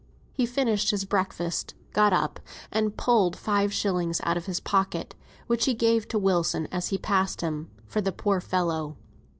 He finished his breakfast, got up, and pulled five shillings out of his pocket, which he gave to Wilson as he passed him, for the "poor fellow."